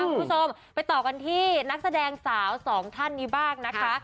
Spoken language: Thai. คุณผู้ชมไปต่อกันที่นักแสดงสาวสองท่านนี้บ้างนะคะ